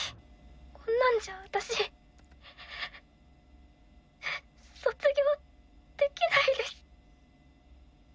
こんなんじゃ私卒業できないです。